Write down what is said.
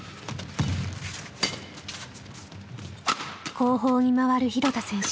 後方に回る廣田選手。